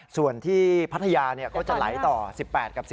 ส่วนที่พัทยาก็จะไหลต่อ๑๘กับ๑๔